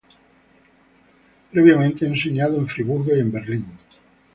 Previamente, ha enseñado en Friburgo y en Berlín.